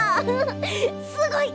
すごい！